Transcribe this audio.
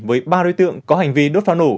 với ba đối tượng có hành vi đốt pháo nổ